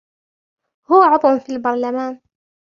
هو عضو في البرلمان.